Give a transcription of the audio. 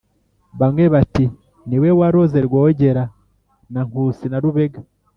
bamwe, bati: «niwe waroze rwogera, na nkusi na rubega,